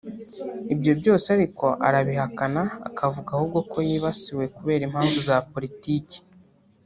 Ibyo byose ariko arabihakana akavuga ahubwo ko yibasiwe kubera impamvu za politiki